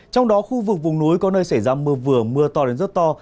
trong đó khu vực vùng núi có nơi xảy ra mưa vừa mưa to đến rất to